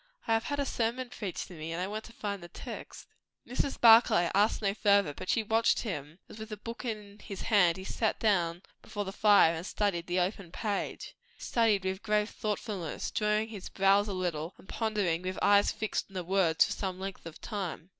"I have had a sermon preached to me, and I want to find the text." Mrs. Barclay asked no further, but she watched him, as with the book in his hand he sat down before the fire and studied the open page. Studied with grave thoughtfulness, drawing his brows a little, and pondering with eyes fixed on the words for some length of time.